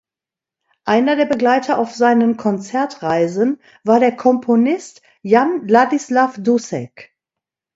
Einer der Begleiter auf seinen Konzertreisen war der Komponist Jan Ladislav Dussek.